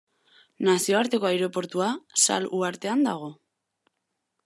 Nazioarteko aireportua Sal uhartean dago.